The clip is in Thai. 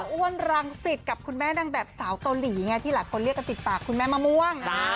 อ้วนรังสิตกับคุณแม่นางแบบสาวเกาหลีไงที่หลายคนเรียกกันติดปากคุณแม่มะม่วง